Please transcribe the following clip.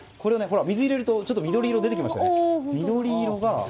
水を入れるとちょっと緑色が出てきましたね。